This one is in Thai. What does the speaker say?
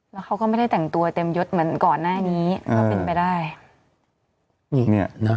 แล้วเขาก็ไม่ได้แต่งตัวเต็มยดเหมือนก่อนหน้านี้ก็เป็นไปได้